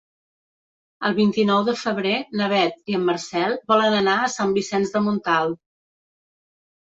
El vint-i-nou de febrer na Beth i en Marcel volen anar a Sant Vicenç de Montalt.